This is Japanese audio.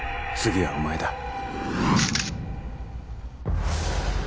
「次はお前だ」